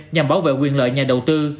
nhằm bảo vệ quyền lợi nhà đầu tư